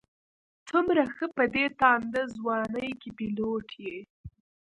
څومره ښه په دې تانده ځوانۍ کې پيلوټ یې.